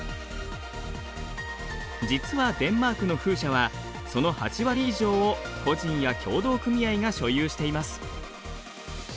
実はデンマークの風車はその８割以上を個人や協同組合が所有しています。